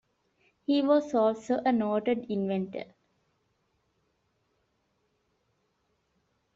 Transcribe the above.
He was also a noted inventor.